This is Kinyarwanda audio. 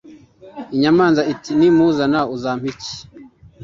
inyamanza iti 'nimuzana uzampa iki